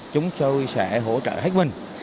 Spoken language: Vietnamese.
chúng tôi sẽ hỗ trợ hết mình